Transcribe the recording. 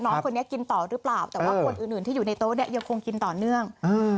น้องคนนี้กินต่อหรือเปล่าแต่ว่าคนอื่นที่อยู่ในโต๊ะเนี่ยยังคงกินต่อเนื่อง